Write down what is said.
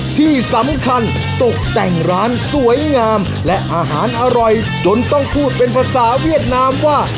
ที่สำคัญตกแต่งร้านสวยงามและอาหารอร่อยจนต้องพูดเป็นภาษาเวียดนามว่า